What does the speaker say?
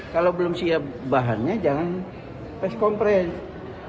kalau belum siap bahannya jangan press conference